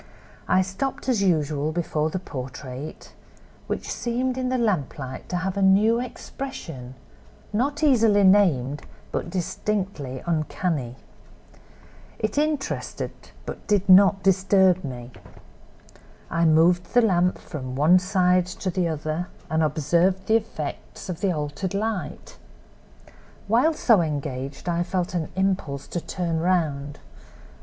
I stopped as usual before the portrait, which seemed in the lamplight to have a new expression, not easily named, but distinctly uncanny. It interested but did not disturb me. I moved the lamp from one side to the other and observed the effects of the altered light. While so engaged I felt an impulse to turn round.